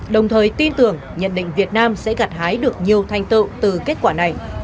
đồng thời tin tưởng nhận định việt nam sẽ gặt hái được nhiều thành tựu từ kết quả này